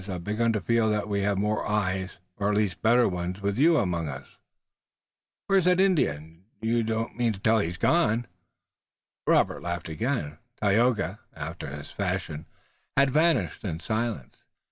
"I've begun to feel that we have more eyes, or at least better ones, with you among us. Where is that Indian? You don't mean to say he's gone?" Robert laughed again. Tayoga, after his fashion, had vanished in silence.